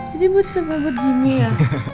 jadi buat siapa buat jimmy ya